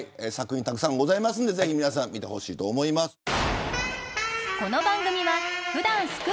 作品、たくさんございますのでぜひ、皆さん見てほしいと思います。